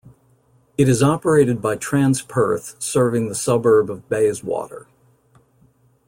It is operated by Transperth serving the suburb of Bayswater.